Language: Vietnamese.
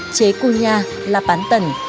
chế cung nha lạp bán tần